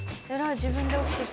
自分で起きてきた。